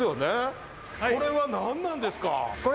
これは何なんですか？